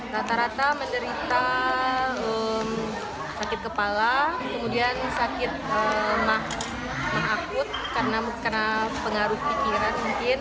rata rata menderita sakit kepala kemudian sakit akut karena pengaruh pikiran mungkin